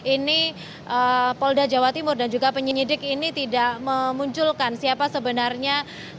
ini polda jawa timur dan juga penyidik ini tidak memunculkan siapa sebenarnya